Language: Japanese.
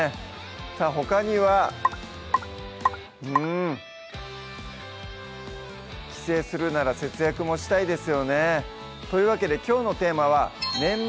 さぁほかにはうん帰省するなら節約もしたいですよねというわけできょうのテーマは「年末！